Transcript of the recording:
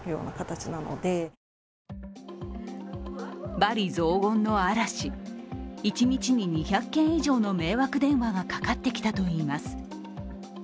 罵詈雑言の嵐、一日に２００件以上の迷惑電話がかかってきたといいます。